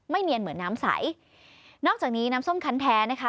เนียนเหมือนน้ำใสนอกจากนี้น้ำส้มคันแท้นะคะ